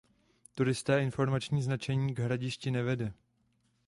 Turistické a informační značení k hradišti nevede.